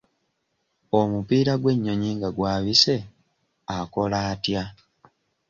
Omupiira gw'ennyonyi nga gwabise akola atya?